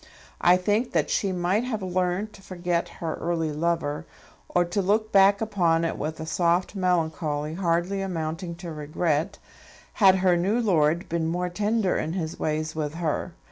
I think that she might have learned to forget her early lover, or to look back upon it with a soft melancholy hardly amounting to regret, had her new lord been more tender in his ways with her.